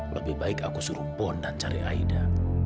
lebih baik aku suruh pondan cari aida